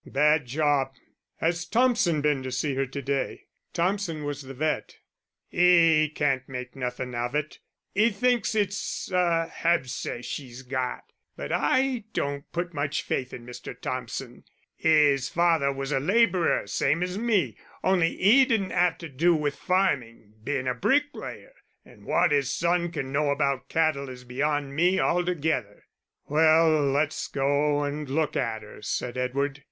"Bad job.... Has Thompson been to see her to day?" Thompson was the vet. "'E can't make nothin' of it 'e thinks it's a habscess she's got, but I don't put much faith in Mister Thompson: 'is father was a labourer same as me, only 'e didn't 'ave to do with farming, bein' a bricklayer; and wot 'is son can know about cattle is beyond me altogether." "Well, let's go and look at her," said Edward.